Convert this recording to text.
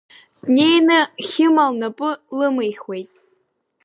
Днеины Хьыма лнапы лымихуеит.